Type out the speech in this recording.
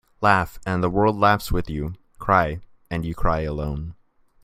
Laugh and the world laughs with you. Cry and you cry alone.